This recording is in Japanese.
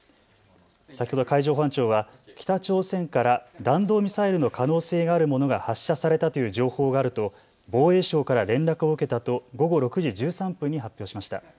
先ほど海上保安庁は北朝鮮から弾道ミサイルの可能性があるものが発射されたという情報があると防衛省から連絡を受けたと午後６時１３分に発表しました。